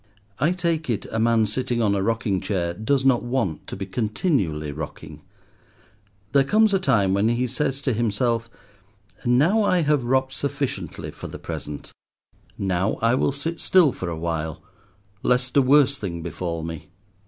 I take it, a man sitting on a rocking chair does not want to be continually rocking. There comes a time when he says to himself—"Now I have rocked sufficiently for the present; now I will sit still for a while, lest a worse thing befall me."